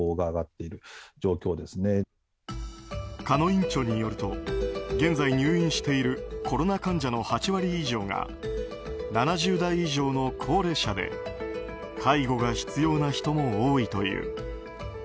鹿野院長によると現在入院しているコロナ患者の８割以上が７０代以上の高齢者で介護が必要な人も多いという。